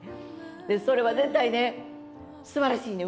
でそれは絶対。